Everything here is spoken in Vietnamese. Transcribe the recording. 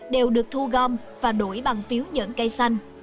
đều được thu gom và đổi bằng phiếu nhẫn cây xanh